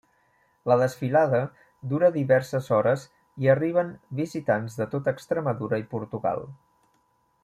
La desfilada dura diverses hores i arriben visitants de tota Extremadura i Portugal.